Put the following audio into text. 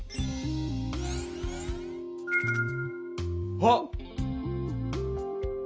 あっ！